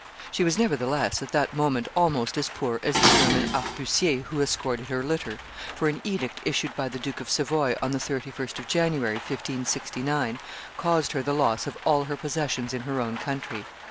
She was, nevertheless, at that moment almost as poor as the German arquebusiers who escorted her litter; for an edict issued by the Duke of Savoy on the 31st of January, 1569, caused her the loss of all her possessions in her own country.